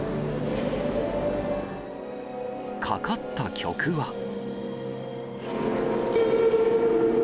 かかった曲は。